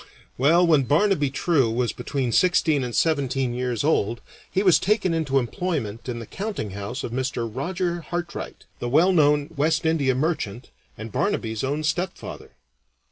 Well, when Barnaby True was between sixteen and seventeen years old he was taken into employment in the countinghouse of Mr. Roger Hartright, the well known West India merchant, and Barnaby's own stepfather.